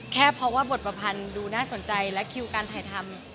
เพราะว่าบทประพันธ์ดูน่าสนใจและคิวการถ่ายทำ